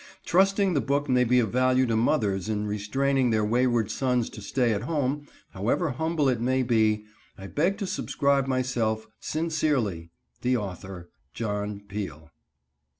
Trusting the book may be of value to mothers in restraining their wayward sons to stay at home, however humble it may be, I beg to subscribe myself, sincerely, the author, JOHN PEELE.